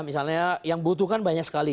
misalnya yang butuhkan banyak sekali